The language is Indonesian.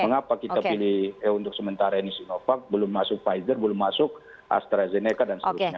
mengapa kita pilih untuk sementara ini sinovac belum masuk pfizer belum masuk astrazeneca dan seterusnya